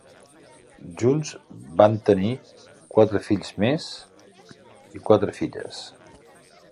Junts van tenir quatre fills més i quatre filles.